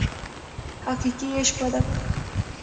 حقیقي عشق وده ورکوي.